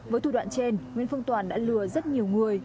với thủ đoạn trên nguyễn phương toàn đã lừa rất nhiều người